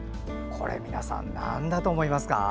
皆さん、なんだと思いますか？